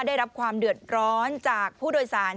ได้รับความเดือดร้อนจากผู้โดยสาร